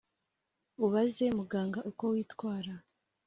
ubaze muganga uko witwara